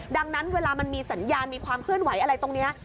ดังนั้นเวลามันมีสัญญาณมีความเคลื่อนไหวอะไรตรงนี้